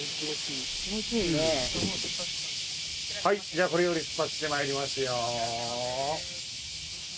じゃあこれより出発してまいりますよ。